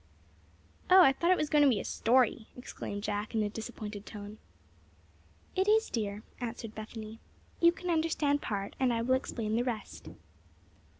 '" "O, I thought it was going to be a story!" exclaimed Jack, in a disappointed tone. "It is, dear," answered Bethany. "You can understand part, and I will explain the rest."